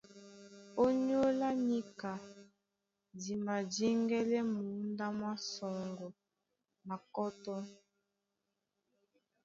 Ónyólá níka di madíŋgɛ́lɛ́ mǒndá mwá sɔŋgɔ na kɔ́tɔ́.